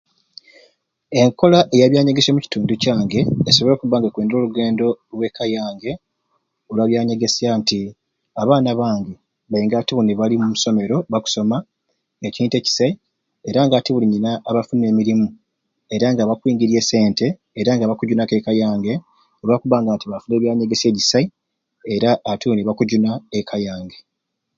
Enkola eya byanyegesya omukitundu kyange esobweire okubba nga ekwindula olugendo olw'eka yange olwa byanyegesya nti abaana bange baingi ati buni bali mu somero bakusoma ekintu ekisai era nga ati nina abafunire emirimu era nga bakwingirya e sente era nga bakujunaku eka yange olwakubba nti bafunire ebyanyegesya egisai era ati buni bakujuna eka yange.